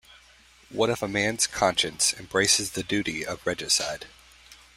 What if a man's conscience embraces the duty of regicide?